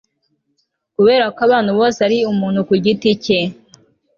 kubera ko abantu bose ari umuntu ku giti cye